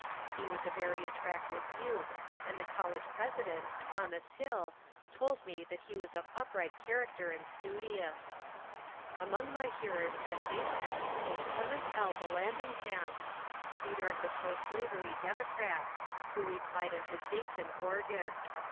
He was a very attractive youth, and the collie president, Thomas Hill, told me that he was of upright char acter and studious. Among my hearers at Dayton was Clement L. Yallandig ham, leader of the proslavery Democrats, who replied in his Dayton organ.